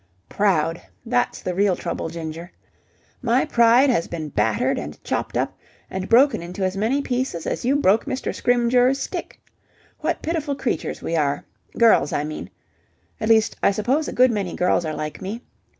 "Proud! That's the real trouble, Ginger. My pride has been battered and chopped up and broken into as many pieces as you broke Mr. Scrymgeour's stick! What pitiful creatures we are. Girls, I mean. At least, I suppose a good many girls are like me.